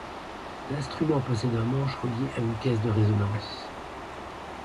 L’instrument possède un manche relié à une caisse de résonance.